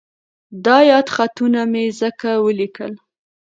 دا یادښتونه مې ځکه وليکل.